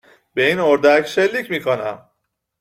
به این اردک شلیک میکنم